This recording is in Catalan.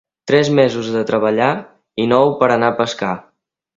Tres mesos de treballar i nou per anar a pescar.